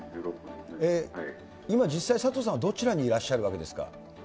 今、実際、佐藤さんはどちらにいらっしゃるわけですか。